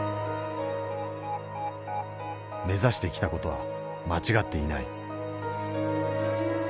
目指してきた事は間違っていない。